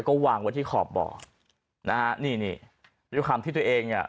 ก็วางไว้ที่ขอบบ่อนะฮะนี่นี่ด้วยความที่ตัวเองเนี่ย